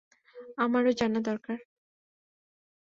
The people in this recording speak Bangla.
আমারও জানা দরকার।